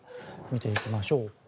見ていきましょう。